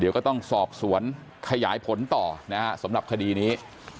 เดี๋ยวก็ต้องสอบสวนขยายผลต่อนะฮะสำหรับคดีนี้